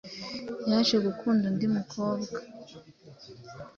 Yaje gukunda undi mukobwa